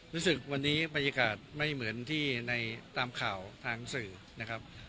รู้สึกวันนี้บรรยากาศไม่เหมือนที่ในตามข่าวทางสื่อนะครับ